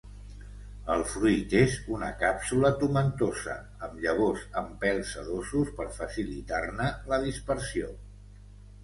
El fruit és una càpsula tomentosa, amb llavors amb pèls sedosos per facilitar-ne la dispersió.